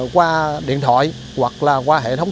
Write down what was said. qua điện thoại hoặc là qua hệ thống